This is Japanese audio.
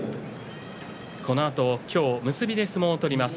このあと今日結びで相撲を取ります。